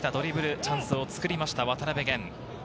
チャンスを作りました、渡辺弦。